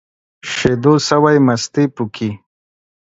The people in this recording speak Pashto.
شيدو سوى ، مستې پوکي.